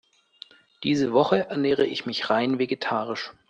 Diese Woche ernähre ich mich rein vegetarisch.